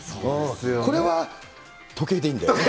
これは時計でいいんだよね？